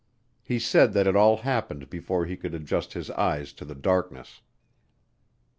He said that it all happened before he could adjust his eyes to the darkness.